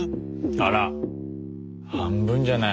あら半分じゃない。